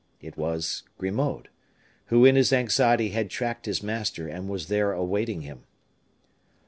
It was Grimaud, who in his anxiety had tracked his master, and was there awaiting him.